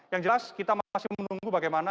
yang jelas kita masih menunggu bagaimana